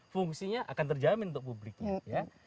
fungsinya akan terjamin untuk publiknya ya